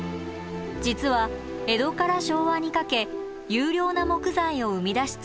実は江戸から昭和にかけ優良な木材を生み出し続けた林業の山。